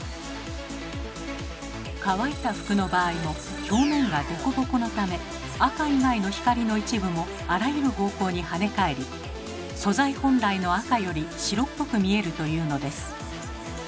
乾いた服の場合も表面がデコボコのため赤以外の光の一部もあらゆる方向にはね返り素材本来の赤より白っぽく見えるというのです。